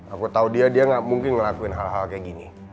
aku tahu dia dia nggak mungkin ngelakuin hal hal kayak gini